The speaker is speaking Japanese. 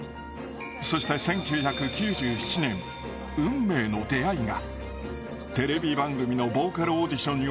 そして１９９７年、運命の出会いが。